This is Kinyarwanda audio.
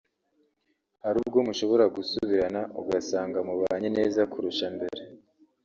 Hari ubwo mushobora gusubirana ugasanga mubanye neza kurusha mbere